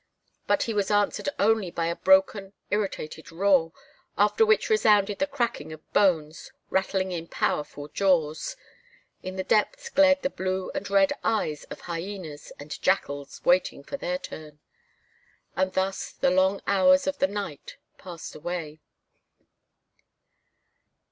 But he was answered only by a broken, irritated roar, after which resounded the cracking of bones, rattling in powerful jaws. In the depths glared the blue and red eyes of hyenas and jackals waiting for their turn. And thus the long hours of the night passed away.